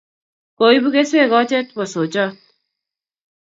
Koibu keswek kochet po sochot